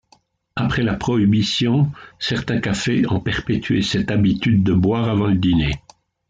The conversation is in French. Après la Prohibition, certains cafés ont perpétué cette habitude de boire avant le dîner.